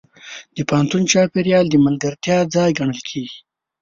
د پوهنتون چاپېریال د ملګرتیا ځای ګڼل کېږي.